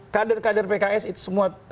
kader kader pks itu semua